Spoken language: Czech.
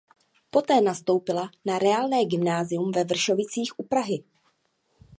Poté nastoupila na reálné gymnázium ve Vršovicích u Prahy.